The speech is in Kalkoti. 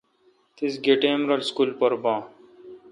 تیس گہ ٹیم رل اسکول پر بان